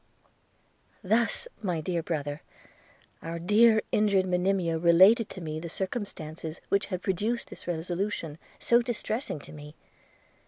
Thus, my dear brother, our dear injured Monimia related to me the circumstances which had produced this resolution, so distressing to me.